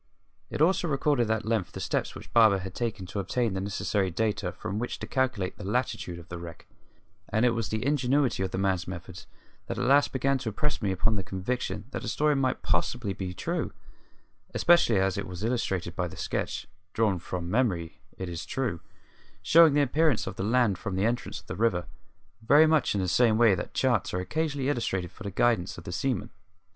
It also recorded at length the steps which Barber had taken to obtain the necessary data from which to calculate the latitude of the wreck; and it was the ingenuity of the man's methods that at last began to impress upon me the conviction that the story might possibly be true, especially as it was illustrated by a sketch drawn from memory, it is true showing the appearance of the land from the entrance of the river, very much in the same way that charts are occasionally illustrated for the guidance of the seaman.